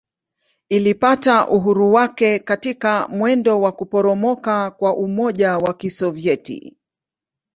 Ilipata uhuru wake katika mwendo wa kuporomoka kwa Umoja wa Kisovyeti.